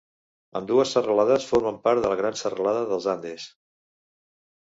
Ambdues serralades formen part de la gran serralada dels Andes.